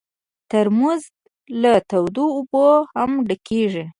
ترموز له تودو اوبو هم ډکېږي.